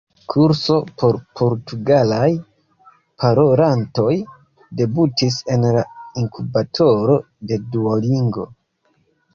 kurso por portugalaj parolantoj debutis en la inkubatoro de Duolingo